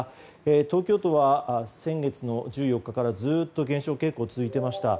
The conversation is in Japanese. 東京都は、先月の１４日からずっと減少傾向が続いていました。